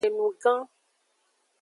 Enu gan.